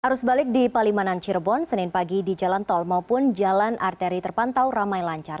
arus balik di palimanan cirebon senin pagi di jalan tol maupun jalan arteri terpantau ramai lancar